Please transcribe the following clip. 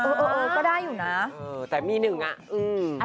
เออก็ได้อยู่นะ